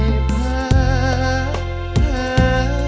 ไม่ใช้